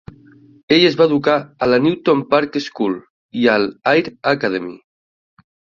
Ell es va educar a la Newton Park School i a l'Ayr Academy.